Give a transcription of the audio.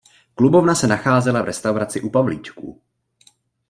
Klubovna se nacházela v restauraci U Pavlíčků.